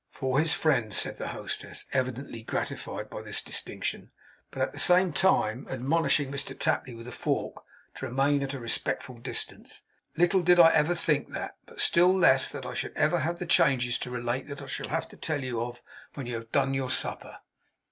'For his friend,' said the hostess, evidently gratified by this distinction, but at the same time admonishing Mr Tapley with a fork to remain at a respectful distance. 'Little did I ever think that! But still less, that I should ever have the changes to relate that I shall have to tell you of, when you have done your supper!